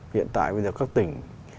hiện tại bây giờ các tỉnh